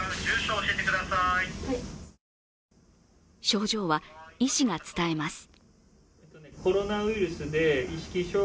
症状は、医師が伝えます。